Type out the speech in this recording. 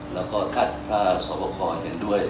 และถ้าศพภวร์เห็นด้วยครับ